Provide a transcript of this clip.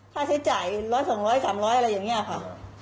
ค่าใช้จ่ายร้อยสองร้อยสามร้อยอะไรอย่างเงี้ยค่ะค่ะ